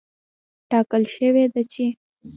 ټاکل شوې ده چې